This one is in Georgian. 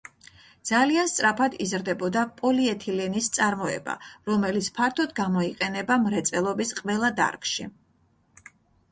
ძალიან სწრაფად იზრდება პოლიეთილენის წარმოება, რომელიც ფართოდ გამოიყენება მრეწველობის ყველა დარგში.